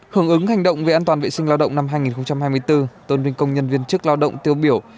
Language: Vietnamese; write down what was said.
hưởng ứng hành động về an toàn vệ sinh lao động năm hai nghìn hai mươi bốn tôn vinh công nhân viên chức lao động tiêu biểu